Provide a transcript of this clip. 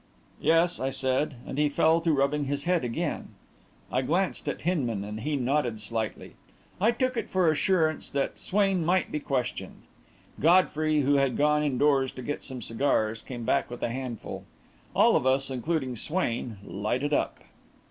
"Yes," I said, and he fell to rubbing his head again. I glanced at Hinman, and he nodded slightly. I took it for assurance that Swain might be questioned. Godfrey, who had gone indoors to get some cigars, came back with a handful. All of us, including Swain, lighted up.